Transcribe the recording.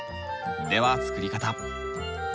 では作り方。